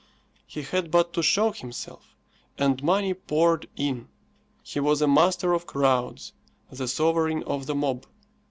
He had but to show himself, and money poured in. He was a master of crowds, the sovereign of the mob.